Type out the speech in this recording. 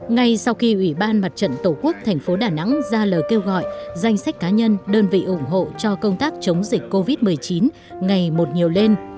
ngay sau khi ủy ban mặt trận tổ quốc tp đà nẵng ra lời kêu gọi danh sách cá nhân đơn vị ủng hộ cho công tác chống dịch covid một mươi chín ngày một nhiều lên